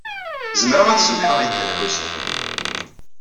Zemreɣ ad semmḥeɣ i Dda Lḥusin.